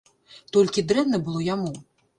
Толькі дрэнна было яму.